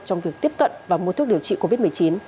trong việc tiếp cận và mua thuốc điều trị covid một mươi chín